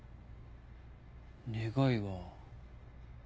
願いは。